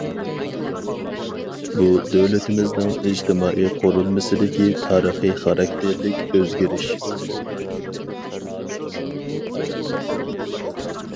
بۇ دۆلىتىمىزنىڭ ئىجتىمائىي قۇرۇلمىسىدىكى تارىخىي خاراكتېرلىك ئۆزگىرىش.